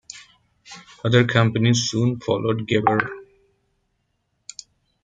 Other companies soon followed Gebr.